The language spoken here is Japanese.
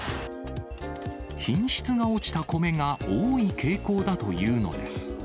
品質が落ちた米が多い傾向だというのです。